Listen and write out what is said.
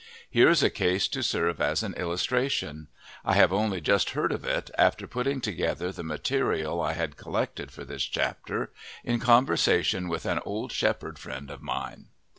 Here is a case to serve as an illustration; I have only just heard it, after putting together the material I had collected for this chapter, in conversation with an old shepherd friend of mine.